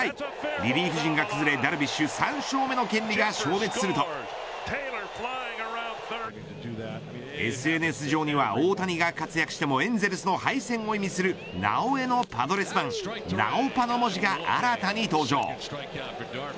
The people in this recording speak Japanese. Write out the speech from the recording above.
リリーフ陣が崩れ、ダルビッシュ３勝目の権利が消滅するとＳＮＳ上には大谷が活躍してもエンゼルスの敗戦を意味するなおエのパドレス版なおパの文字が新たに登場。